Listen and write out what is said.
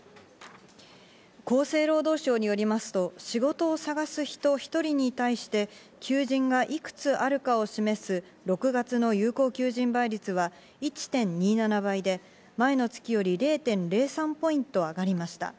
厚生労働省によりますと、仕事を探す人、１人に対して求人がいくつあるかを示す、６月の有効求人倍率は１．２７倍で、前の月より０．０３ポイント上がりました。